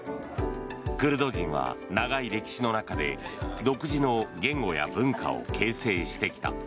クルド人は長い歴史の中で独自の言語や文化を形成してきた。